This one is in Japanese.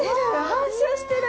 反射してる！